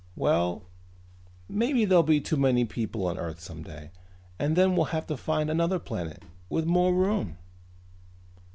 "Well, maybe there'll be too many people on earth someday and then we'll have to find other planets with more room."